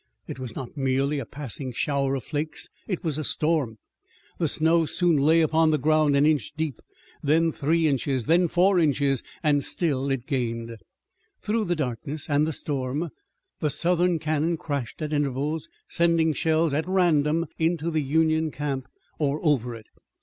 It was not merely a passing shower of flakes. It was a storm. The snow soon lay upon the ground an inch deep, then three inches, then four and still it gained. Through the darkness and the storm the Southern cannon crashed at intervals, sending shells at random into the Union camp or over it.